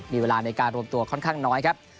มีเวลาในการรวมตัวค่อนข้างน้อยครับ